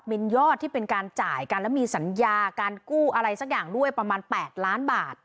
มียอดที่เป็นการจ่ายกันแล้วมีสัญญาการกู้อะไรสักอย่างด้วยประมาณ๘ล้านบาท